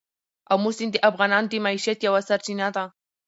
آمو سیند د افغانانو د معیشت یوه سرچینه ده.